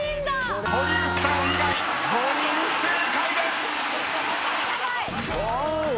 ［堀内さん以外５人不正解です！］